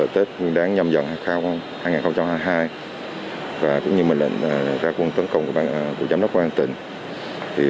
tết đáng nhâm dần hai nghìn hai mươi hai cũng như mệnh lệnh ra quân tấn công của giám đốc công an tỉnh